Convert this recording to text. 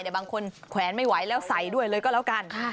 แต่บางคนแขวนไม่ไหวแล้วใส่ด้วยเลยก็แล้วกัน